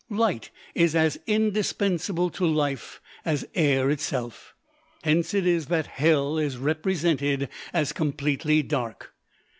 Light is as indispensable to life as air itself. Hence it is that Hell is represented as completely dark.